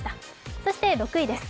そして６位です。